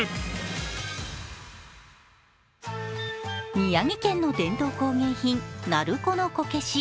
宮城県の伝統工芸品、鳴子のこけし。